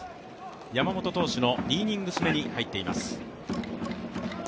山本投手の２イニング目に入っています。